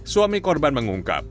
suami korban mengungkap